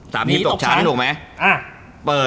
แล้วพูดจากนี่